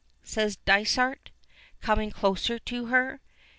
says Dysart, coming closer to her.